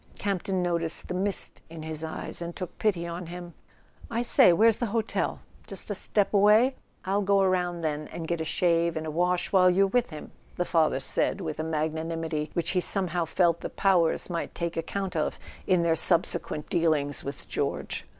Campton noticed the mist in his eyes, and took pity on him. "I say—where's the hotel? Just a step away? I'll go around, then, and get a shave and a wash while you're with him," the father said, with a magnanimity which he somehow felt the powers might take account of in their subsequent dealings with George.